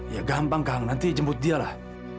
ya gampang kang nanti jemput dia lah